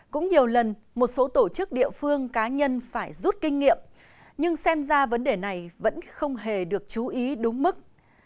cũng nhiều lần một số tổ chức địa phương cá nhân phải rút kinh nghiệm nhưng xem ra vấn đề này vẫn không hề được chú ý đúng mức